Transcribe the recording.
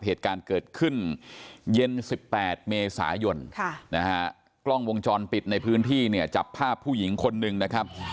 เหตุการณ์เกิดขึ้นเย็น๑๘เมษายนกล้องวงจรปิดในพื้นที่เนี่ยจับภาพผู้หญิงคนหนึ่งนะครับ